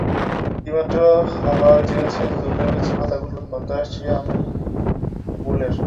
এইমাত্র হাওয়া জেগেছে, দুলে উঠছে পাতাগুলো, গন্ধ আসছে আমের বোলের।